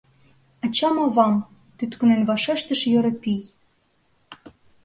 — Ачам-авам... — тӱткынен вашештыш Йоропий.